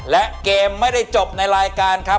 และเกมไม่ได้จบในรายการครับ